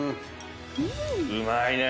うまいねぇ。